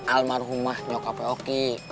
almarhumah nyokap eoki